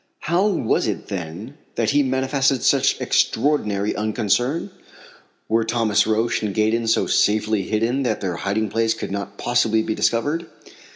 How was it then that he manifested such extraordinary unconcern? Were Thomas Roch and Gaydon so safely hidden that their hiding place could not possibly be discovered?